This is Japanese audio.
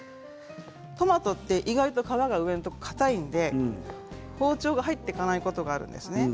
トマトは意外と上の皮がかたいので包丁が入っていかないことがあるんですね。